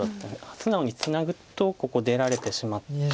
素直にツナぐとここ出られてしまって。